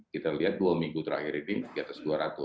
kita lihat dua minggu terakhir ini di atas dua ratus